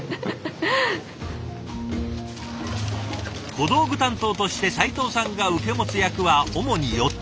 小道具担当として齊藤さんが受け持つ役は主に４つ。